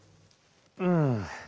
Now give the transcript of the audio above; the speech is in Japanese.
うん。